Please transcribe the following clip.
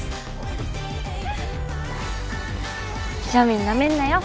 庶民なめんなよ。